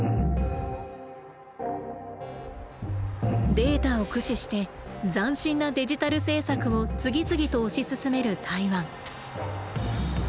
データを駆使して斬新なデジタル政策を次々と推し進める台湾。